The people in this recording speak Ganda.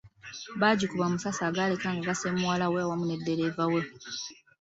BAagikuba amasasi agaaleka nga gasse muwala we awamu ne ddereeva we.